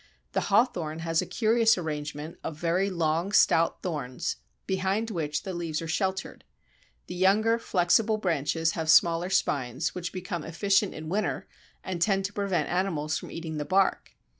The Hawthorn has a curious arrangement of very long stout thorns, behind which the leaves are sheltered. The younger flexible branches have smaller spines, which become efficient in winter and tend to prevent animals from eating the bark.